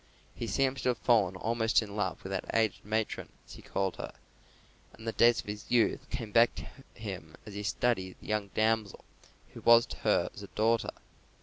He seems to have fallen almost in love with that aged matron, as he called her, and the days of his youth came back to him as he studied the young damsel, who was to her as a daughter.